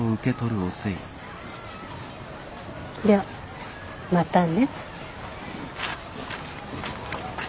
ではまたね。